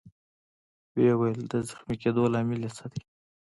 ويې ویل: د زخمي کېدو لامل يې څه دی؟